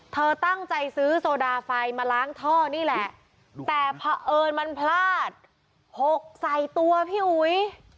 เธอตั้งใจซื้อโซดาไฟมาล้างท่อนี่แหละแต่เผอิญมันพลาดหกใส่ตัวพี่อุ๋ย